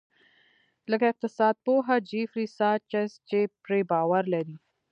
لکه اقتصاد پوه جیفري ساچس چې پرې باور لري.